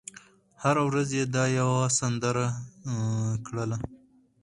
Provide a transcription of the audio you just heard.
هره ورځ یې دا یوه سندره کړله